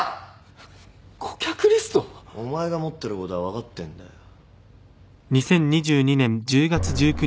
お前が持ってることは分かってんだよ。